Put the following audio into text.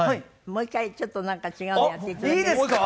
もう一回ちょっとなんか違うのやって頂ける？